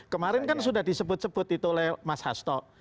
kemarin kan sudah disebut sebut itu oleh mas hasto